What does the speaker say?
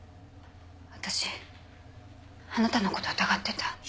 私あなたのこと疑ってた。